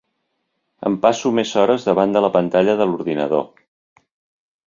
Em passo més hores davant de la pantalla de l'ordinador.